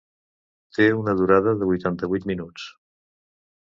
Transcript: Té una durada de vuitanta-vuit minuts.